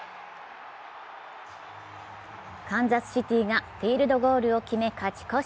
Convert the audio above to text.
カンザスシティがフィールドゴールを決め、勝ち越し。